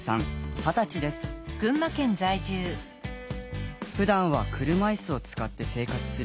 ふだんは車いすを使って生活する大学生。